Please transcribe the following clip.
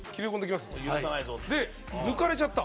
で、抜かれちゃった。